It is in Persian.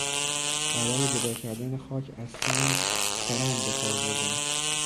برای جدا کردن خاک از سنگ سرند بهکار بردم.